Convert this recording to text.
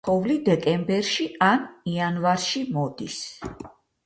თოვლი დეკემბერში ან იანვარში მოდის.